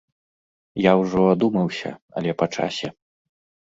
Я ўжо адумаўся, але па часе.